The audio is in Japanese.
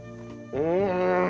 うん。